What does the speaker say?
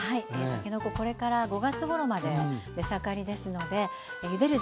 たけのここれから５月ごろまで出盛りですのでゆでる